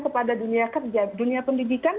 kepada dunia kerja dunia pendidikan